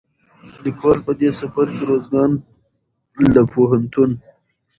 ليکوال په دې سفر کې روزګان له پوهنتون،